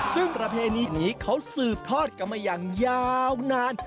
ซึ่งประเพณีนี้เขาสืบทอดกันมาอย่างยาวนาน